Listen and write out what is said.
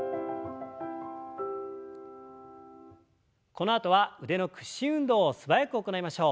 このあとは腕の屈伸運動を素早く行いましょう。